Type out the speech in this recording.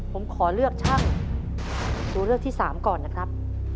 ผมขอเลือกช่างตัวเลือกที่๓ก่อนนะครับ